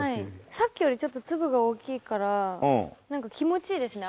さっきよりちょっと粒が大きいからなんか気持ちいいですね。